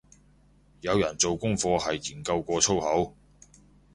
有人做功課係研究過粗口